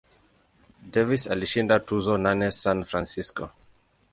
Davis alishinda tuzo nane San Francisco.